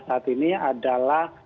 saat ini adalah